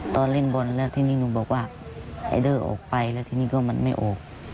ตอนเล่นบอลแล้วทีนี้หนูบอกว่าไอเดอร์ออกไปแล้วทีนี้ก็มันไม่ออก